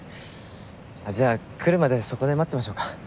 じゃあ来るまでそこで待ってましょうか。